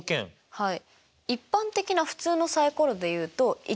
はい。